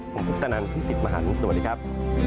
ผมพุทธตะนั้นพี่สิทธิ์มหาลังค์สวัสดีครับ